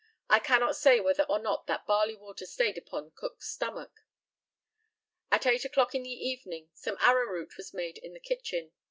I cannot say whether or not that barley water stayed upon Cook's stomach. At eight o'clock in the evening some arrowroot was made in the kitchen.